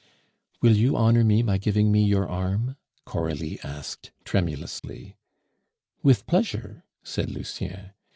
"Will you honor me by giving me your arm?" Coralie asked tremulously. "With pleasure," said Lucien.